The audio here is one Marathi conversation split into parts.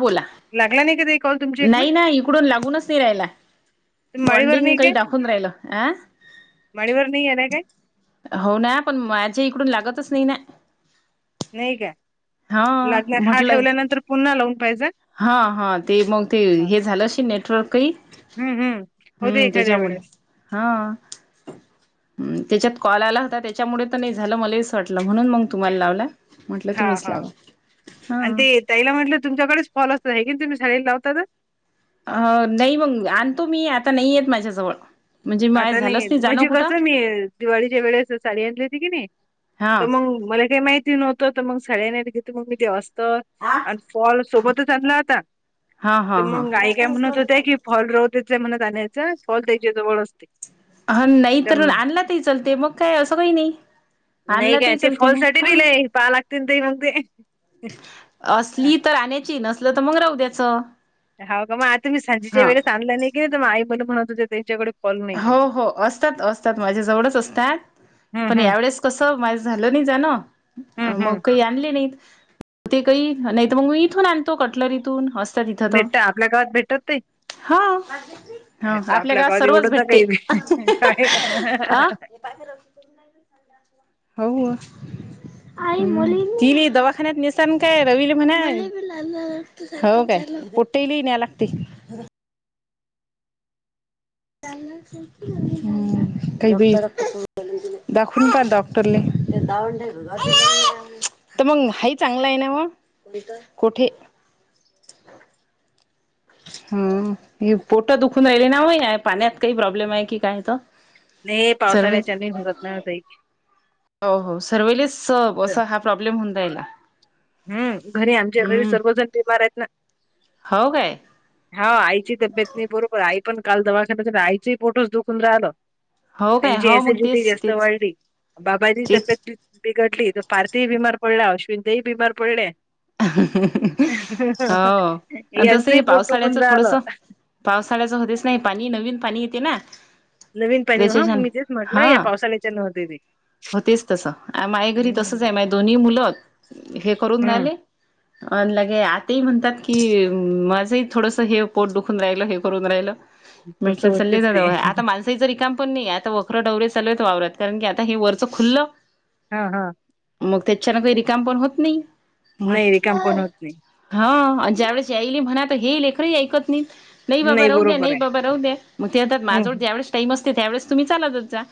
बोला, लागला नाही का ते कॉल तुमची एक मिनिट नाही नाही इकडून लागूनच नाही राहिला. तुम्ही माडीवर बॉनडिंग नाही काही काय दाखवून राहिलं. आ? माडीवर नाही आलाय काय हो ना, पण माझ्या इकडून लागतच नाही ना. नाही काय? हा लागणार हा ठेवल्यानंतर पुन्हा लावून पाहिजे. हां हां ते मग ते हा. हे झालं आशीन नेटवर्क काही हम्म, हम्म. होत हम्म एखाद्या त्याच्यामुळे वेळेस. हा. हं त्याच्यात कॉल आला होता त्याच्यामुळे तर नाही झालं. मले हेच वाटलं म्हणून मग तुम्हाला लावला. म्हटलं हा तुम्हीच हा लावा हा. आणि ते ताईला म्हटलं तुमच्याकडेच फॉल असतं हे की तुम्ही साडीला लावता ना? अ नाही मग आणतो मी आता नाहीयेत माझ्याजवळ. म्हणजे माय आता नाही झालंच येत. जाणं म्हणजे कुठं कसं मी दिवाळीच्या वेळेस साडी आणली होती की नाही? हा तर मग मला काही माहिती नव्हतं, तर मग सगळ्याने आधी घेतल मग मी तेव्हाच तर आणि फॉल सोबतच आणला होता, हा हा तर मग आई काय म्हणत होत्या की, हा फॉल रत त्यांच्या मनात आणायचं, फॉल त्याच्या जवळच हा नाही तर आणला तरी चालते, मग काय असं काही नाही. नाही आणला काय तरी ते चालते ना फॉलसाठी हा दिलेय पहाय लागतील ते मग ते. असली तर आणायची, नसलं तर मग राहू द्याचं. हाव का? मग आता मी सांजेच्या हा वेळेस आणला नाही की, तर आई मला म्हणत होते त्यांच्याकडे फॉल नाहीये. हो हो असतात असतात माझ्या जवळच असत्यात. हम्म पण हम्म यावेेळेस कसं माझ झालं नाही जाणं हम्म मग हम्म काही आणली नाहीत. ते काही नाही मग मी इथून आणतो कटलरीतून हॉस भेटत आपल्या गावात भेटत ते [unintelligible] हा हा आपल्या गावात सर्वच भेट मे बी ह हो. [unintelligible] हो काय कुठेली न्या लागते. हम्म काय बी दाखवून का डॉक्टरले? तर मग हाय चांगलं आहे ना म कुठे हम्म पोट दुखून राहिली ना म या पाण्यात काही प्रॉब्लेम आहे की काय हो तो. नाही पावसाळ्याच्या लई भगत नाही होतय. हो हो सर्वले सब असं हा प्रॉब्लेम होन जाईला. हम्म घरी आमच्या घरी सर्वजण बिमार आहेत ना. हो काय हा आईची तब्येत नाही बरोबर आई पण काल दवाखानाज ना आईचही पोठोच दुखून राहिलं. हो काय त्यांची हो मग एसिडिटी तेच जास्त तेच वाढली बाबाची तेच तब्येत बिघडली तर पारथी ही बीमार पडला अश्विन ताई बीमार पडल्या. हो आणि तसं यांचंही हे पोट पावसाळ्याच दुखून राहिलं थोडसा पावसाळ्याचं होतेच नाही पाणी नवीन पाणी येते ना. नवीन पाणी हा त्याच्याच्यान मी तेच म्हटलं हा या पावसाळ्याच्या नव्हती ती. होतेच तसं माय घरी तसंच आहे माझ दोन्ही मुलं हे करून हम् राहिले अन लगे आतेही म्हणतात की माझंही थोडस हे पोट दुखून राहिलं हे करून राहिलं तसं मिटला चल्ली होतेच का ते दावय आता मान तेचा रिकाम पण नाही आता वखरं डवरे चालवत वावरत कारण की आता हे वरचं खुल्लं हा हा. मग त्याच्याने काही रिकाम पण होत नाही. नाही म्हट रिकाम पण होत नाही हा आणि ज्या वेळेस यायली म्हणा तर हे लेखरही ऐकत नाही. नाही बाबा राहू द्या बरोबर नाही आहे बाबा राह द्या मग ते आता माझजवड हम् ज्या वेळेस टाईम असते त्यावेळेस तुम्ही चालातच जा.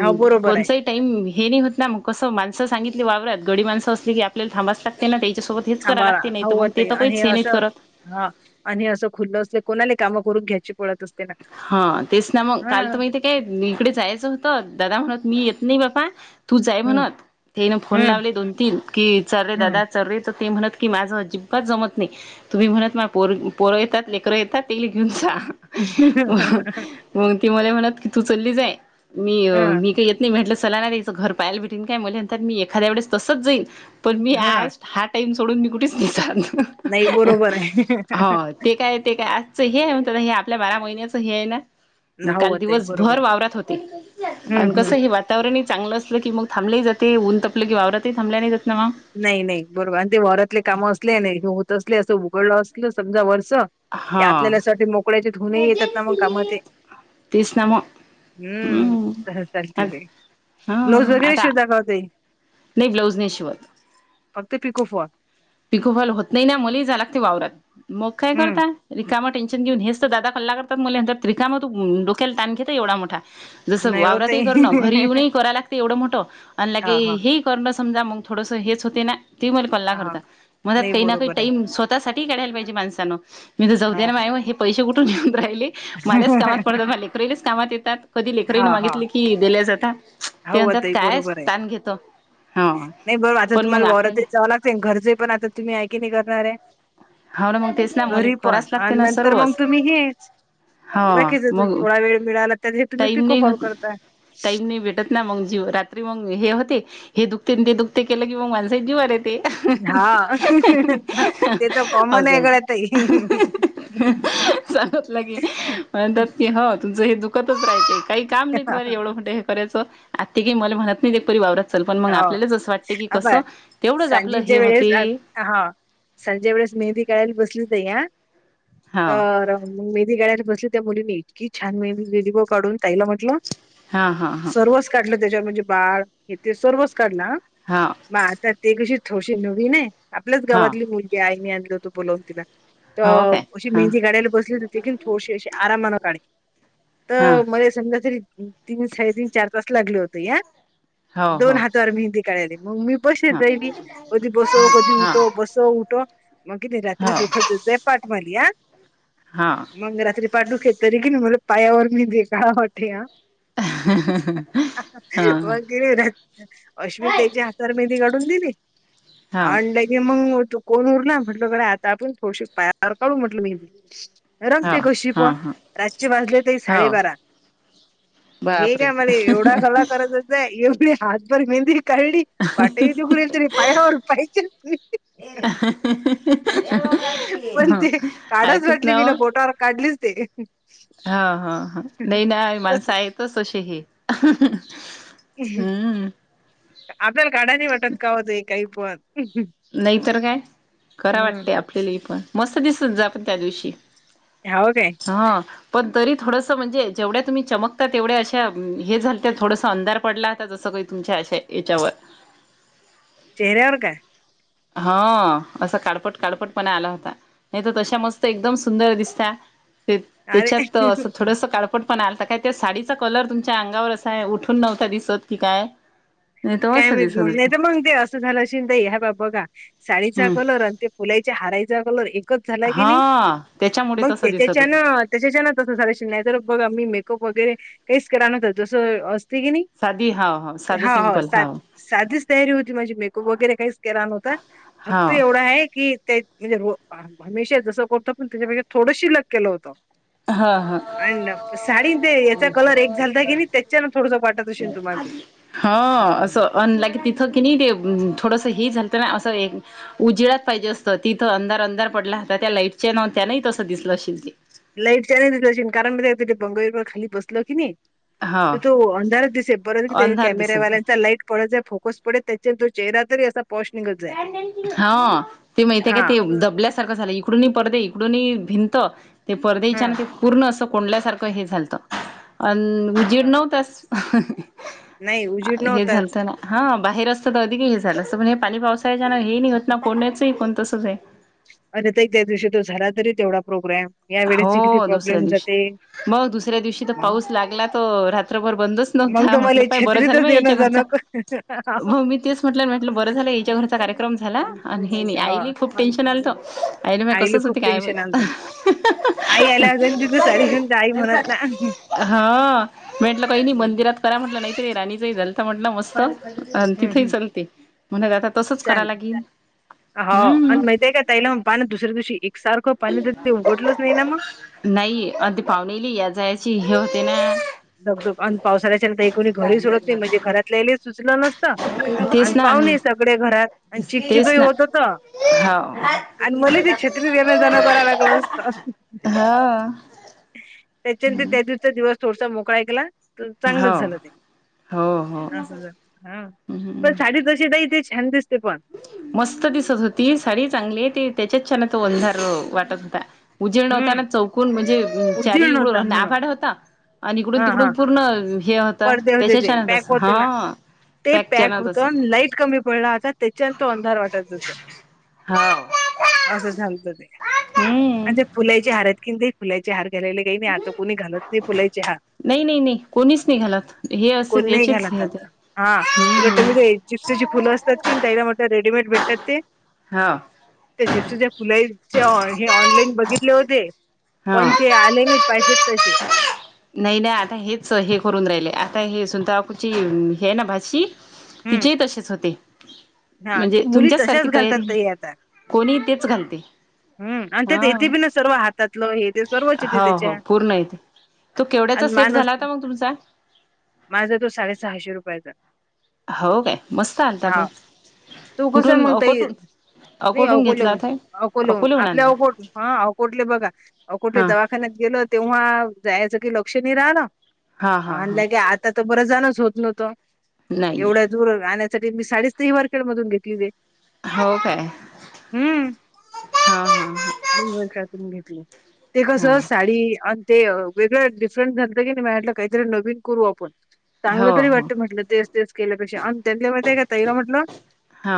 हा बरोबर आहे कोणचाही टाईम हे नाही होत ना मग कसं माणसं सांगितले वावरात गडी माणसं असली की आपल्याला थांबाच लागते ना त्याच्यासोबत हेच कराय आम्हाला लागते नाही तर मग हवत ते आहे तर आणि पहीच हे नाहीत असं करत. हा आणि असं खुल्लं असले कोणाले कामं करून घ्यायची पळत अस हा तेच ना मग काल तर माहिती ते मी इकडे जायचं होतं दादा म्हणत मी येत नाही बापा तू जाय हम्म म्हणत हेनं फोन हम्म लावले दोन तीन की चल रे हम्म दादा चल रे ते म्हणत की माझं अजिबात जमत नाही तुम्ही म्हणत ना पोर पोरं येतात लेकरं येतात तेले घेऊन जा. मग ती मला म्हणत की तू चल्ली जाय मी हा मी काही ये नाही म्हटलं चला ना रे हिचा घर पाहायला भेटेन काय म्हले नंतर मी एखाद्या वेळेस तसंच जाईन पण मी आज हा टाईम सोडून मी कुठेच नी नाही जात बरोबर आहे. हा ते काय ते काय चे हे आहे म्हणतं हे आपल्या बारा महिन्याचं हे आहे ना. मग काल होत आहे बरोबर दिवसभर आहे. वावरात होते आणि हम्म हम्म. कसं हे वा वातावरणही चांगलं असलं की मग थांबलं ही जाते ऊन तपलं की वावरातही थांबला नाही जात ना म. नाही-नाही बरोबर आणि ते वरातले काम असले नाही हे होत असले असं उघडलं असलं समजा वरसा के हा आपल्यालासाठी मोकळ्याचे धुने येतात ना मग कामं ते. तेच ना मग. हम्म चालते ताई हा ब्लाऊज वगैरे शिव आता दाखवते. नाही ब्लाऊज नाही शिवत. फक्त पिकोफॉल पिकोफॉल होत नाही ना, मलेही जावावं लागते वावरात. मग काय हम्म करताय? रिकामा टेन्शन घेऊन हेच तर दादा कल्ला करतात मल्यांतरमाल्यंत्र रिकामं तू डोक्याला ताण घेता एवढा मोठा. जसं नाही ओ वावरातही ताई करणं घरी येऊनही कराव लागते एवढं मोठं आणिलं के हा हा ह करणं समजा मग थोडंसं हेच होते ना ती मग कल्ला हा करतात मगत नाही काही ना काही बरोबर आहे. टाईम स्वतःसाठीही काढायला पाहिजे माणसानं मी त हा जऊद्या मा पैसे कुठून घेऊन राहिले मलाच कामात पडतात लेकरी कामात येतात कधी लेकरीने मागितले कि कि दिल्या जाता हौव ते बरोबर आहे हा नाही बर आता पण मग तुम्हाला वावरात आपल्याला जावं लागत घरचे पण आता तुम्ही ऐके नाही करणार आहे हो ना मग तेच ना मले घरी पण कराच लागते आणि ना नंतर मग सर्वच तुम्ही हेच हो बाकीच जर मग थोडा वेळ मिळाला त्या तुम्ही टाईम पिको नाही फाँल होत करताय. टाईम नाही भेटत ना मग जीव रात्री मग हे होते हे दुखते ते दुखते केलं की मग माणसा जीवा ते हा ते तर कॉमन आहे असं गळ्यातही सांगत लागे म्हणतात की हो तुमचं हे दुःख तच रायच काही काम नाही तुम्हाला एवढं कुठं हे करायचं आत् काही मला म्हणत नाही एकरी वावरात चल पण मग हो आपल्यालाच असं वाटते की आपण कसं तेवढंच आपलं हे सांजेच्या होत वेळेस हा संज्या वेळेस मेह बी कळायला बसली त ह हा तर मग मेहंदी काढायला बसली त्या मुलींनी इतकी छान मेहदी दिली काढून ताईला म म्हंटलं हा हा सर्वच काढलं त्याच्यावर म्हणजे बाळ हे ते सर्वच काढलं हा हा मग आता ते कशी थोशी नवीन आहे आपल्याच हा गावातली मुलग ते आईनी आणल होतो बोलावून तिला तर हा हो काय अशी हा मेहंदी काड्याला बसली देखील थोडीशी अशी आरामानं काढी हा तर मध्ये समजा तरी तीन साडेतीन चार तास लागले होते या हो हो दोन हातावर मेहंदी काढली मग मी बसेत हा राहिली कधी बसो कधी हा उठो बस च उठो मग कि नाही रात्री हो दुखय होत पाठ माझीया हां. मग रात्री पाठूख तरी की नाही मला पायावर मी दे का वाटेया हा हा. तीने नाय अश्विन त्याच्या हातावर मेदी काढून दिली अन मग तू कोन उरला म्हटल कडे आता आपण थोडीशी पायार काढू म्हटलं मी रंगते हो कशी हा पण हा रातचे वाजले ते हो साडेबारा हे का बापरे मला एवढा कला करत होता एवढी हातभरी मेहंदी काढली [unintelligible] पटतीघरल तरी पायावर पाहिच ह [unintelligible] पण ते काढाच आहेतच वाटली मी ना हो बोटावर काढलीच ते. हा हा हा नाही ना तस माणसं आहेतच तशी ही हम्म. आपल्याला काय अडानी वाटतात का औ काहीपण नाहीतर काय खरा हम्म वाटते आपल्याला हि पण मस्त दिसत जा आपण त्या दिवशी हो काय? हा पण तरी थोडंसं म्हणजे जेवढ्या तुम्ही चमकत्या तेवढ्या अशा हे झालत थोडसं अंधार पडला होता जसं काही तुमच्या अशे याच्यावर चेहऱ्यावर काय? हा असं काडपट काडपट पणा आला होता. नाही तर तशा मस्त एकदम सुंदर दिसता त्याच्यात असं अरे थोडस काढ ट पण आता काय त्या साडीचा कलर तुमच्या अंगावर अस आहे उठून नव्हता दिसत की काय? नाही तर काय मस्त माहित दिसत मग नाही होत तर मग ते अस त झाल अशिन तर ह्या ब बघा साडीचा हम्म कलर आणि ते फुलाच्या हारायचा कलर एक क झाला की नाही हा त्याच्यामुळे मग तसं दिसत त्याच्याच्यान होत त्याच्याच्यान तसं सार शि [unintelligible] नाही तर बघ आम्ही मेकअप वगैरे काहीच करा नव्हत जसं तिगिनी साधी हा हो साधं हो सिंपल [unintelligible] सा हाव साधीच तयारी होती माझी मेकअप वगैरे काहीच केला नव्हता फक्त हाव एवढा आहे की ते म्हणजे र हमेशा जसं करतो पण त्याच्यापैकी थोडंशी अलग केलं होतं हा. हा आणि साडी ते याचा कलर एक झालता की नाही त्याच्यां थोडंस वाटत असेल तुम्हाला ते. ह असं अन लागे तिथ की नाही ते थोडंसं हे झालतं ना असं उजिळ्याात पाहिजे असतं तिथं अंधार अंधार पडला त्या लाईटचे ना त्यानाही तस दिसलं अशेल ते लाईट चाल क कारण त्या ते त बंगवीर खली बसल की नाही [unintelligible] हा तर तो अंधारच दिसे पररत की अंधार दिसत कॅमेरावाल्यांचा लाईट पडें जाय फोकस पडे त्याच्या तो चेहरा तरी अस पौषणिक हा ते माहित आहे का ते दबल्यास सारखं झालं इकडूनी परदे इकडून भिंत ते हा परदेच्या ते पूर्ण असं कोंडल्यासारखं हे झालतं अन उजेड हा नव्हताच. नाही उजीड हे नव्हताच. झालत ना हा बाहेर असत तर अधिक हे झालं असं पण पाली पावसाळ्याच्या हे नाही होत ना कोण्याचही कोण तसंच आहे अर त त्या दिवशी तो झाला तरी तेवढा प्रोग्राँम या वेळेसची किती हो दुसऱ्या प्रॉब्लेम जाते दिवशी मग दुसऱ्या दिवशी तर मग पाऊस लागला त रात्रभर बंदच मग नव्हता तर मला म्हटलं पाय बरं झालं मग छत्रीतच येणं याच्या घरचा जाणं मग मी तेच म्हटलं म्हटलं बरं झालं याच्या घरचा कार्यक्रम झाला आणि हे हो आईली खूप टेन्शन आलंत आईने म आईला कसंच खूप होत काय मग टेन्शन आलतं. [unintelligible] आई आल्या होता आणि तिथून साडी घेऊन जा आई म्हणत ना हा म्हटलं नायी मंदिरात करा म्हटलं नाहीत राणीचंही झाल तर म्हटलं मस्त तिथेही हम्म चालते म्हण आता तसंच करा लागेल हो हम्म आणि माहित आहे का तला मग पाणी दुसऱ्या दिवशी एकसारखं पाणी तर ते उघडलंच नाही ना मग नाही अधी पाहुणेली याय जायची हे होते ना दगधग आणि पावसाल्याच्यानंतर एक कोणी घरीही सोडत नाही म्हणजे घरातल्याले सुचल नस आणि तेच ना पावणे सगळे घरात आणि तेच चिकचिकही ना होत होत हो आणि मला ती छत्री येण जाणं करा लागल असत हो त्याच्यानंतर त्या दिवचा दिवस थोडसा मोकळा ऐकला तर हो चांगलंच झालं ते हो हो असं ज हा पण हम्म साडी तशी नाही तेे छान दिसते पण. मस्त दिसत होती साडी चांगली ते त्याच्यात छान तो वंजार वाटत होता. उजेड हम्म होताना चौकून म्हणजे चारी उजीर्ण होता इकडून म्हणून नाभाड होता आणि इकडून तिकडून पूर्ण हे होता पडद होते त्याच्या ते छान पॅक तसं होतो ना हा. ते छान पॅक होत तसं होतो लाईट कमी पला होता त्याच्यान तो अंधार वाटयच हुतय हाव असं झालत ते आणि हम्म. त्या फुलाची हार आहेत किन ते फुलायचे हार घालाले काही नाही आता कुणी घालत नाही फुलायचे हार. नाही नाही नाही कोणीच नाही घालात. कोण नाही घालात आता हा उलट हम्म मी हुलय चिप्सेची फुलं असतात की त्याला मटलं रेडीमेड भेटतात ते.. हा. त्या जेपसूच्या फुलाचे हे ऑनलाईन बघितले होते हा. पण ते आले नाही. पाहिजेत तसे नाही नाही आता हेच हे करून राहिले आता हे सुनीता काकुची हे ना भाची हम्म तिचेही तसेच होते. हा म्हणजे मुली तुमच्याच तशाच सारखी घालतात तयारी ताई कोणी तेच घालते हम् आणि त्यात हा येथे बी ना सर्व हातातल हे ते सर्वच हो हो त्याच्या पूर्ण आहेत तो केवढ्याचा आणि सेट मानस झाला होता मग तुमचा? माझा तो साडेसहाशे रुपयाचा हाव काय मस्त आणता मग तू कस मगताय मी अकोटून अकोले घेतला होऊन होता अकोले होऊन अकोल्याहून आपल्या आणला अवकोट हा अवकोटले बघा अकोटले हां दवा खान गेल तेव्हा जायचं की लक्ष नाही राहण हां हां हां म्हलं की आज तर बरं जणच होत नव्हतं नाही एवढ्या दूर आणण्यासाठी मी साडी ती वरखेड मधून घेतली ते हो काय हो किती वर्षातून घेतले ते कस हां साडी ते वेगळं डिफरंट झालत की नाही म्हटलं काहीतरी नवीन करू आपण चांगलं हो तरी हो वाटतं म्हटलं तेस तेवस केल्यापेक्षा आणि त्यांच्यामध्ये का तईला म्हटलं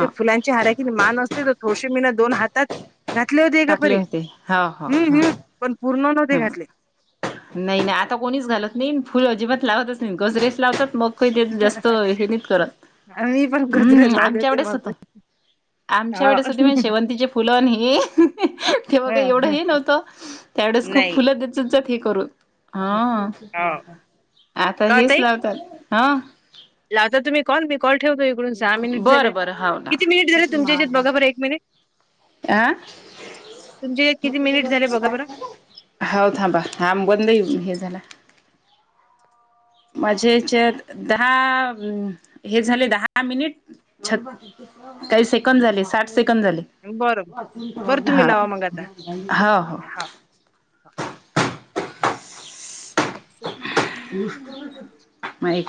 ते फुलांचे हारा कि मान असते तर थोडसे मी ना दोन हातात घातले होते का टाकले बरीे होते हो हो हां हम्म, हम् पण पूर्ण नव्हते हां घातले नाही नाही आता कोणीच घालत नाही फुल अजिबात लावतच नाही गजरेच लावतात मग काही ते जास्त हेनीत करत मी पण गजरे हम्म लावले आमच्या होते आवडेच होत मागून आमच्या हा वेळे सध पण शेवंतीचे फुलं ह तेवघ हा एवढं हा. ह नव्हतं त्या वेळेस खूप नाही फुलं देत ह करू हा हो आता का हेच ताई लावतात हा लावता तुम्ही कॉल मी कॉल ठेवतो इडून सहा मिनिट झाले बरं बरं हाव किती मिनिट झाले तुमच्या इच्यात लावा. बघार एक मिनिट आ तुमच्यात किती मिनिट झाले बघा बरं हा थांबा हब बंद येऊ हे झाला माझ्याच्यात दहा हे झाले दहा मिनिट छ काही सेकंद झाले साठ सेकंद झाले बरं बरं तुम्ही हाव, लावा मग आता हाव, हाव हा व्हाट्सअप नी माय